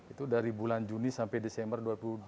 itu dari bulan juni sampai desember dua ribu dua puluh